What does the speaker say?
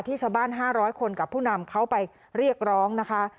ชาวบ้าน๕๐๐คนกับผู้นำเขาไปเรียกร้องนะคะ